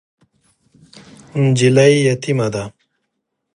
نجلۍ یتیمه ده .